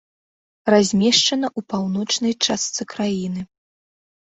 Размешчана ў паўночнай частцы краіны.